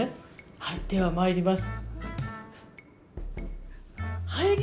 はい、ではまいります。